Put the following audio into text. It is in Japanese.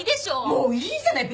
もういいじゃない！